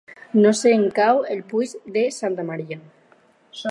No sé on cau el Puig de Santa Maria.